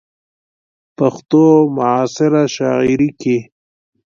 ،پښتو معاصره شاعرۍ کې